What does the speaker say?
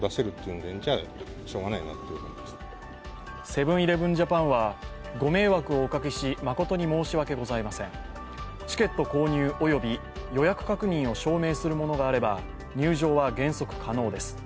セブン−イレブン・ジャパンは、ご迷惑をおかけし誠に申し訳ございません、チケット購入及び予約確認を証明するものがあれば入場は原則、可能です。